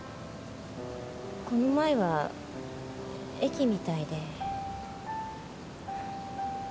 この前は駅みたいで。